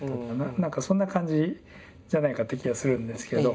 何かそんな感じじゃないかって気がするんですけど。